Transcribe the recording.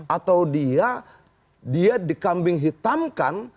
atau dia dikambing hitamkan